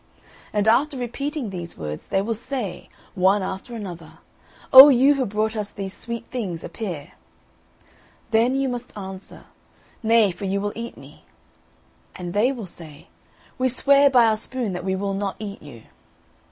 And after repeating these words, they will say, one after another, 'O you who brought us these sweet things appear!' Then you must answer, Nay, for you will eat me.' And they will say, We swear by our spoon that we will not eat you!'